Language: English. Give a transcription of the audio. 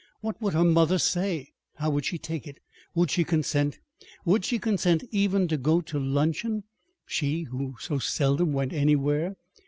What would her mother say? How would she take it? Would she consent? Would she consent even to go to luncheon she who so seldom went anywhere?